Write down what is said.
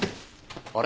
あれ？